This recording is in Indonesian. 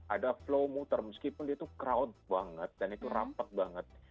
ada flow muter meskipun itu crowd banget dan itu rapat banget